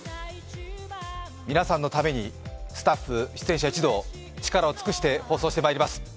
皆さんのためにスタッフ、出演者一同、力を尽くして放送してまいります。